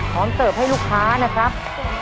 พร้อมเติบให้ลูกค้านะครับ